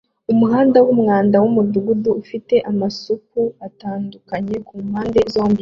Umuhanda wumwanda mumudugudu ufite amasupu atandukanye kumpande zombi